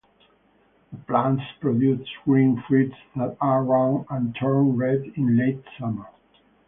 The plants produce green fruits that are round and turn red in late summer.